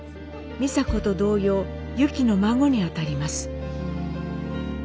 美佐子と同様ユキの孫にあたります。